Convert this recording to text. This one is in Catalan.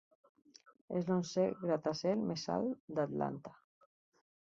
És l'onzè gratacel més alt d'Atlanta.